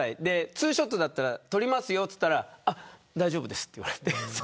ツーショットだったら撮りますよと言ったら大丈夫ですと言われて。